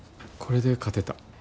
これで勝てた。